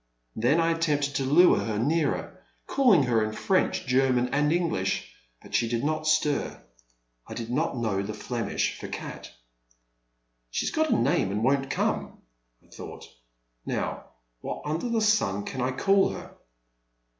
Then I attempted to lure her nearer, calling her in French, German, and English, but she did not stir. I did not know the Flemish for '*cat." '' She 's got a name, and won't come," I thought. '* Now, what under the sun can I call her?"